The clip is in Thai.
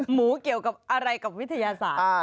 หมูเกี่ยวกับอะไรกับวิทยาศาสตร์